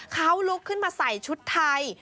เขาลุกขึ้นมาใส่ชุดไทย